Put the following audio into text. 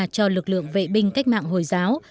cho lực lượng vệ binh cách mạng hồi giáo